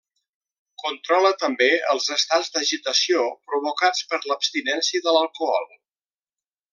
Controla també els estats d'agitació provocats per l'abstinència de l'alcohol.